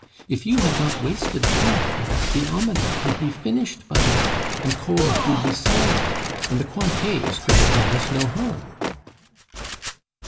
If you had not wasted time, the almanac would be finished by now, and Kolb would be selling it, and the Cointets could have done us no harm."